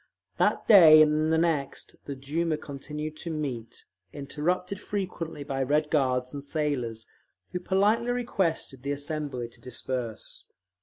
That day and the next the Duma continued to meet, interrupted frequently by Red Guards and sailors, who politely requested the assembly to disperse.